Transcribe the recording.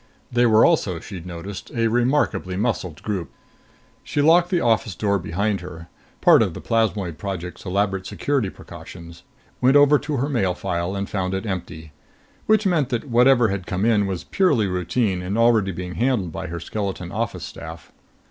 They were also, she'd noticed, a remarkably muscled group. She locked the office door behind her part of the Plasmoid Project's elaborate security precautions went over to her mail file and found it empty. Which meant that whatever had come in was purely routine and already being handled by her skeleton office staff.